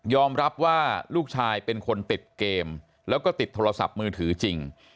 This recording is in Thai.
รับว่าลูกชายเป็นคนติดเกมแล้วก็ติดโทรศัพท์มือถือจริง